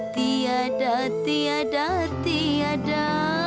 tidak ada tidak ada tidak ada